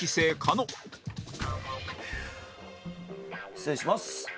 失礼します。